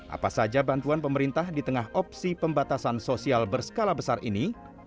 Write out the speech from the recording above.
apa saja bantuan pemerintah di tengah opsi pembatasan sosial berskala besar ini